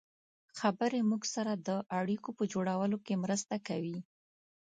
خبرې موږ سره د اړیکو په جوړولو کې مرسته کوي.